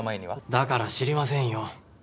だから知りませんよ！